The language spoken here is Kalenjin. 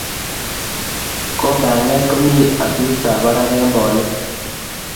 konda nget ko komi asista parak eng polik